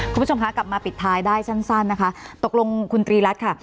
คุณผู้ชมคะกลับมาปิดท้ายได้สั้นนะคะตกลงคุณตรีรัฐค่ะ